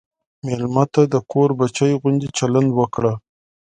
مېلمه ته د کور بچی غوندې چلند وکړه.